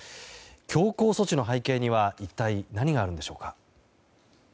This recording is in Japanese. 強硬措置の背景には一体何があるんでしょうか。